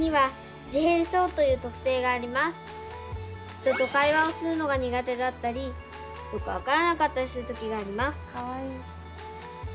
人と会話をするのが苦手だったりよく分からなかったりする時があります。